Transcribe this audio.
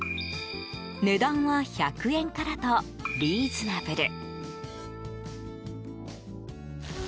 値段は１００円からとリーズナブル。